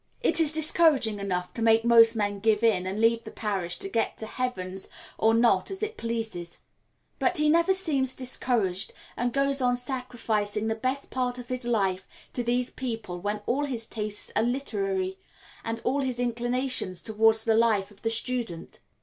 It is discouraging enough to make most men give in, and leave the parish to get to heaven or not as it pleases; but he never seems discouraged, and goes on sacrificing the best part of his life to these people when all his tastes are literary, and all his inclinations towards the life of the student.